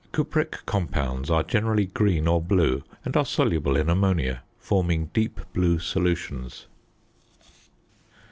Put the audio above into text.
Cupric compounds are generally green or blue, and are soluble in ammonia, forming deep blue solutions.